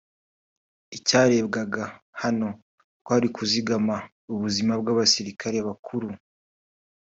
Icyarebwaga hano kwari ukuzigama ubuzima bw’abasirikare bakuru